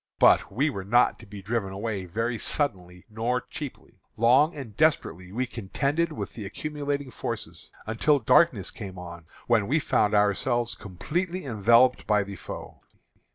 But we were not to be driven away very suddenly nor cheaply. Long and desperately we contended with the accumulating forces, until darkness came on, when we found ourselves completely enveloped by the foe.